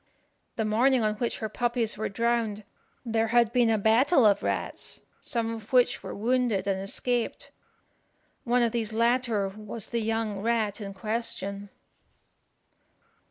The morning on which her puppies were drowned there had been a battue of rats, some of which were wounded and escaped. One of these latter was the young rat in question.